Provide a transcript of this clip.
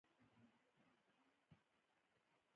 صفایي او ساتنې ته پاملرنه نه وه شوې.